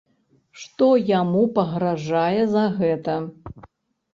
Што яму пагражае за гэта?